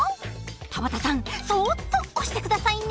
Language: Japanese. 田畑さんそっと押して下さいね。